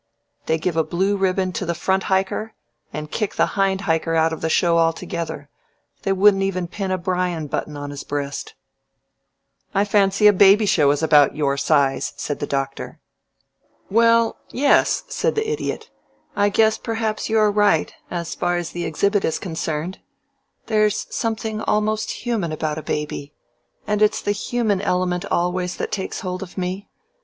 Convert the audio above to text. They give a blue ribbon to the front hiker and kick the hind hiker out of the show altogether they wouldn't even pin a Bryan button on his breast." "I fancy a baby show is about your size," said the Doctor. "Well yes," said the Idiot, "I guess perhaps you are right, as far as the exhibit is concerned. There's something almost human about a baby, and it's the human element always that takes hold of me.